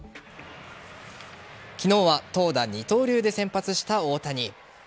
昨日は投打二刀流で先発した大谷。